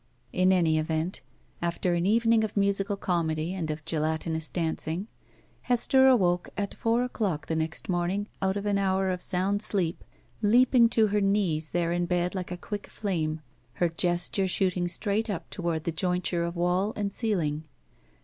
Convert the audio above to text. In any event, after an evening of musical comedy and of gelatinous dancing, Hester awoke at four o'clock the next morning out of an hour of sotmd sleep, leaping to her knees there in bed like a quick flame, her gesture shooting straight up toward the jointure of wall and ceiling.